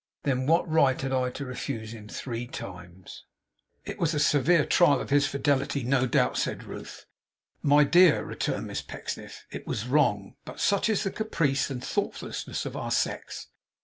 Then what right had I to refuse him three times?' 'It was a severe trial of his fidelity, no doubt,' said Ruth. 'My dear,' returned Miss Pecksniff. 'It was wrong. But such is the caprice and thoughtlessness of our sex!